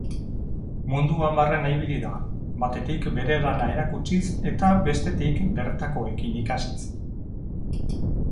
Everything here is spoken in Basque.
Munduan barrena ibili da, batetik bere lana erakutsiz eta bestetik bertakoekin ikasiz.